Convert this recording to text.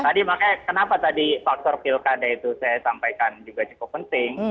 tadi makanya kenapa tadi faktor pilkada itu saya sampaikan juga cukup penting